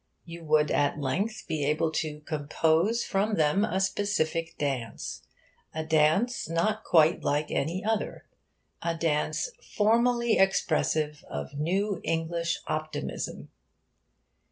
You would at length be able to compose from them a specific dance a dance not quite like any other a dance formally expressive of new English optimism.